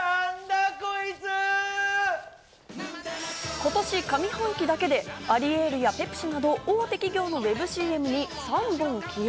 今年上半期だけでアリエールやペプシなど、大手企業のウェブＣＭに３本起用。